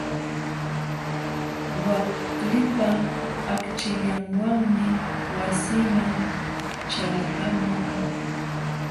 Waklipa akchillanwanmi wasiiman ćhalqamuu.